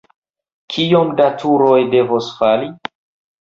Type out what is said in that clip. Kiom da turoj devos fali?